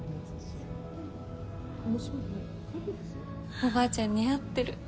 おばあちゃん似合ってる。